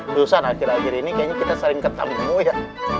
susan akhir akhir ini kayaknya kita saling ketemu ya